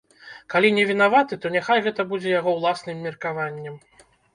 Калі не вінаваты, то няхай гэта будзе яго ўласным меркаваннем.